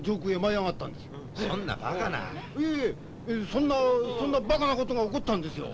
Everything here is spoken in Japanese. そんなそんなバカなことが起こったんですよ。